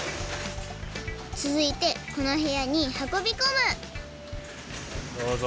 つづいてこのへやにはこびこむどうぞ。